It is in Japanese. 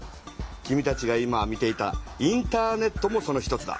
君たちが今見ていたインターネットもその一つだ。